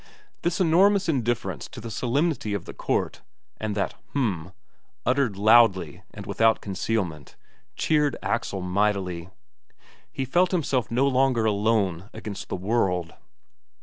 This enormous indifference to the solemnity of the court, and that "H'm," uttered loudly and without concealment, cheered Axel mightily; he felt himself no longer alone against the world.